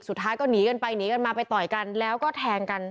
สุดท้ายก็หนีกันไปหนีกันมาไปต่อยกันแล้วก็แทงกัน